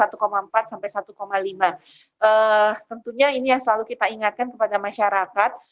tentunya ini yang selalu kita ingatkan kepada masyarakat